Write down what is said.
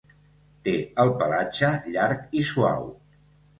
Té el pelatge llarg i suau.